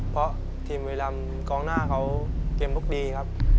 เพราะทีมบุรีรำกองหน้าเขาเกมลุกดีครับ